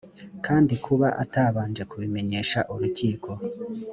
kandi kuba atabanje kubimenyesha urukiko